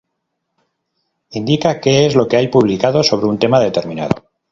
Indica que es lo que hay publicado sobre un tema determinado.